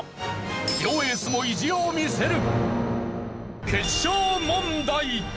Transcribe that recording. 両エースも意地を見せる！